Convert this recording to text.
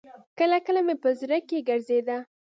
کله کله مې په زړه کښې ګرځېده.